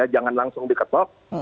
jangan langsung diketok